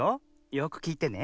よくきいてね。